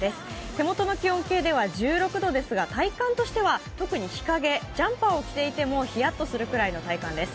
手元の気温計では１６度ですが、体感としては特に日陰、ジャンパーを着ていてもヒヤッとするような体感です。